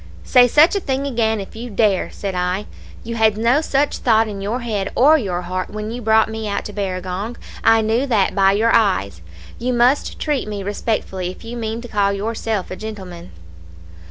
"'Say such a thing again if you dare,' said I. 'You had no such thought in your head or your heart when you brought me out to Barragong. I knew that by your eyes. You must treat me respectfully if you mean to call yourself a gentleman.'